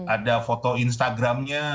ada foto instagramnya